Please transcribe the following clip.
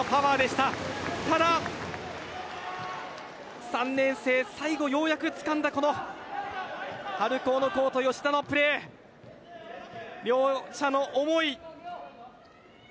ただ、３年生最後、ようやくつかんだこの春高のコート、吉田のプレー両者の思い。